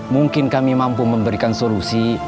mungkin kami mampu memberikan solusi